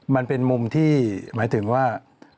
มันเป็นมุมที่หมายถึงว่า